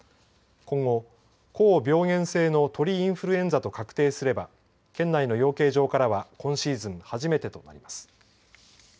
今後高病原性の鳥インフルエンザと確定すれば県内の養鶏場からは今シーズン初めてとなります。